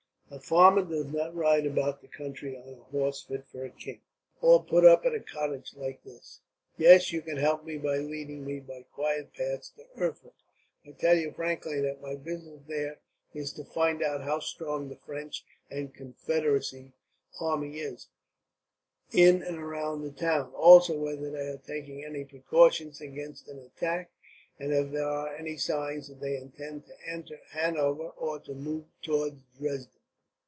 A farmer does not ride about the country on a horse fit for a king, or put up at a cottage like this." "Yes; you can help me by leading me by quiet paths to Erfurt. I tell you frankly that my business, there, is to find out how strong the French and Confederacy army is, in and around the town; also whether they are taking any precautions against an attack, and if there are any signs that they intend to enter Hanover, or to move towards Dresden."